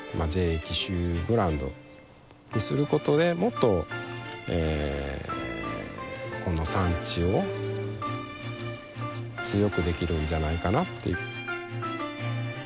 ＪＡ紀州ブランドにすることでもっとこの産地を強くできるんじゃないかなっていう。